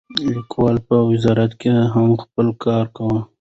لیکوال په وزارت کې هم خپل کار کاوه.